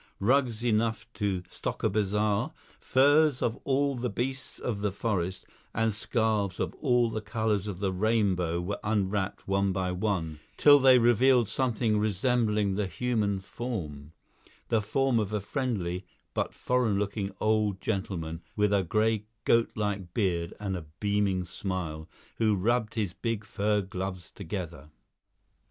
Rugs enough to stock a bazaar, furs of all the beasts of the forest, and scarves of all the colours of the rainbow were unwrapped one by one, till they revealed something resembling the human form; the form of a friendly, but foreign looking old gentleman, with a grey goat like beard and a beaming smile, who rubbed his big fur gloves together.